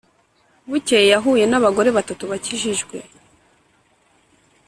Bukeye yahuye n’abagore batatu bakijijwe